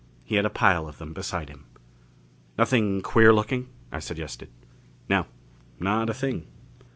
He had a pile of them beside him. "Nothing queer looking?" I suggested. "No. Not a thing."